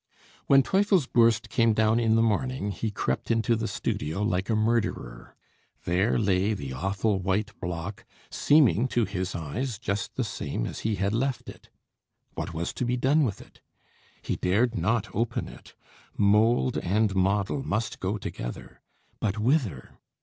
When Teufelsbürst came down in the morning, he crept into the studio like a murderer. There lay the awful white block, seeming to his eyes just the same as he had left it. What was to be done with it? He dared not open it. Mould and model must go together. But whither?